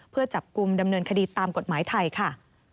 เพื่อจับกลุ่มดำเนินคดีตามกฎหมายไทยค่ะ